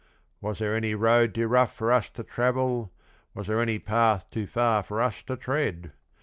Was there any road too rough for us to travel? Was there any path too far for us to tread?